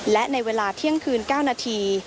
และในเวลาเที่ยงคืน๙นาที